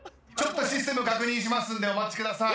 システム確認しますんでお待ちください。